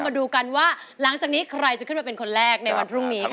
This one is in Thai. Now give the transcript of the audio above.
มาดูกันว่าหลังจากนี้ใครจะขึ้นมาเป็นคนแรกในวันพรุ่งนี้ค่ะ